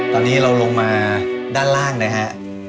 ตอนนี้เราลงมาด้านล่างนะฮะ